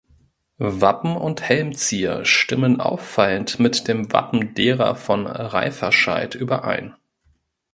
Wappen und Helmzier stimmen auffallend mit dem Wappen derer von Reifferscheid überein.